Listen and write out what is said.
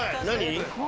何？